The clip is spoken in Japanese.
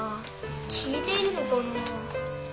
聞いてるのかな？